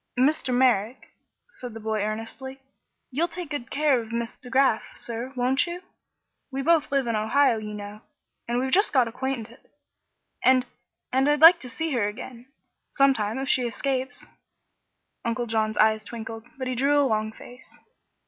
"Mr. Merrick," said the boy, earnestly, "you'll take good care of Miss De Graf, sir, won't you? We both live in Ohio, you know, and we've just got acquainted; and and I'd like to see her again, some time, if she escapes." Uncle John's eyes twinkled, but he drew a long face.